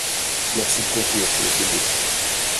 Merci de conclure, monsieur le député.